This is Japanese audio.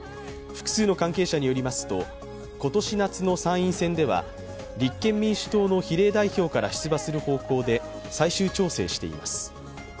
複数の関係者によりますと、今年夏の参院選では立憲民主党の比例代表から出馬する方向で最終調整しています。